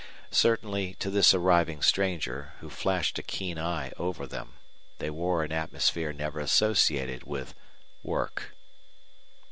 Certainly to this arriving stranger, who flashed a keen eye over them, they wore an atmosphere never associated with work.